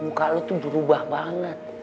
muka lo tuh berubah banget